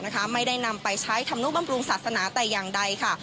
นะคะไม่ได้นำไปใช้ทำนวนบำรุงศาสนาแต่อย่างใดค่ะ